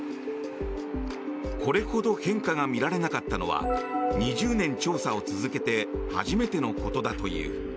これほど変化が見られなかったのは２０年調査を続けて初めてのことだという。